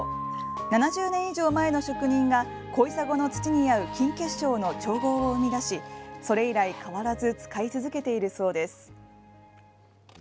７０年以上前の職人が小砂の土に合う金結晶の調合を生み出しそれ以来、変わらず使い続けているそうです。